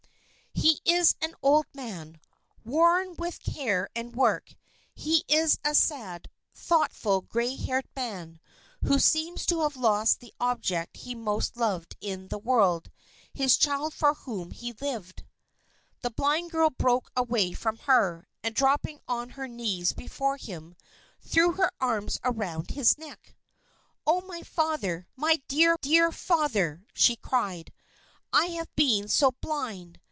"He is an old man, worn with care and work. He is a sad, thoughtful, gray haired man, who seems to have lost the object he most loved in the world his child for whom he lived." The blind girl broke away from her, and dropping on her knees before him, threw her arms around his neck. "Oh, my Father! My dear, dear Father!" she cried. "I have been so blind!